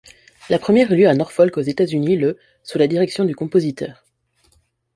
La première eut lieu à Norfolk aux États-Unis le sous la direction du compositeur.